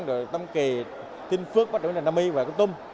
rồi tâm kỳ tinh phức bắt đầu nam trà my và công tâm